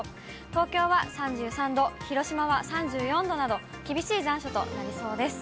東京は３３度、広島は３４度など、厳しい残暑となりそうです。